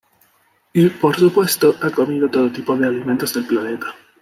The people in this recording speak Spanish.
Y, por supuesto, ha comido todo tipo de alimentos del planeta.